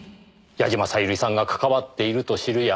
矢嶋小百合さんが関わっていると知るや。